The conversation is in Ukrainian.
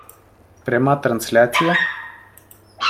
Пряма трансляція?